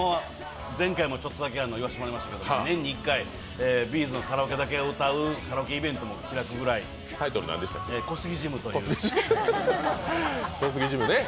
前回もちょっとだけ言わしてもらいましたけど年に一回、Ｂ’ｚのカラオケだけを歌うカラオケイベントを開くくらい、タイトルは「小杉−ＧＹＭ」というね。